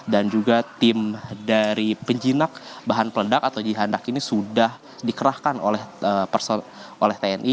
dan juga tim dari penjinak bahan peledak atau jihanak ini sudah dikerahkan oleh tni